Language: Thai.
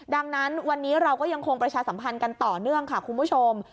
ดังนั้นวันนี้เราก็ยังคงประชาสัมพันธ์กันต่อเนื่องค่ะคุณผู้ชม